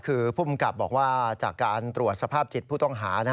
คือภูมิกับบอกว่าจากการตรวจสภาพจิตผู้ต้องหา